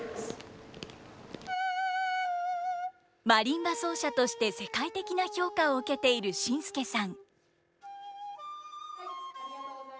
マリンバ奏者として世界的な評価を受けているＳＩＮＳＫＥさん。